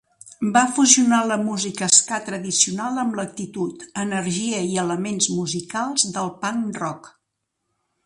Va fusionar la música ska tradicional amb l'actitud, energia i elements musicals del punk rock.